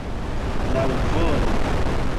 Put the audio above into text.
laŭvole